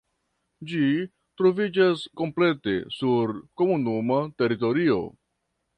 Ĝi troviĝas komplete sur komunuma teritorio.